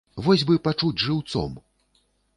Вось бы пачуць жыўцом!